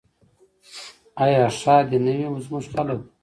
آیا ښاد دې نه وي زموږ خلک؟